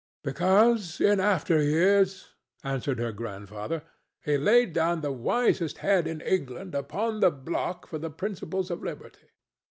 "Because in after years," answered her grandfather, "he laid down the wisest head in England upon the block for the principles of liberty."